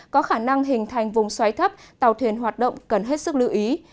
có khả năng hình thành vùng xoáy thấp tàu thuyền hoạt động cần hết sức lưu ý